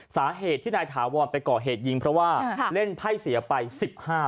สาเหตุที่นายถาวรไปก่อเหตุยิงเพราะว่าเล่นไพ่เสียไป๑๕